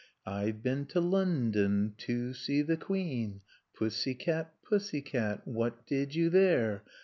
"I've been to London, to see the Queen." "Pussycat, Pussycat, what did you there?"